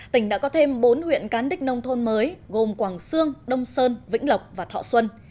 tỉnh đã có thêm bốn huyện cán đích nông thôn mới gồm quảng sương đông sơn vĩnh lộc và thọ xuân